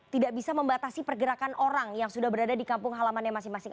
tidak bisa membatasi pergerakan orang yang sudah berada di kampung halamannya masing masing